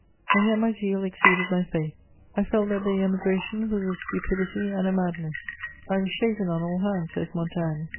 And yet my zeal exceeded my faith; I felt that the emigration was a stupidity and a madness: "I was shaven on all hands," says Montaigne.